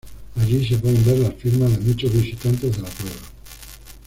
Allí se pueden ver las firmas de muchos visitantes de la cueva.